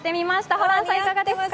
ホランさん、いかがですか。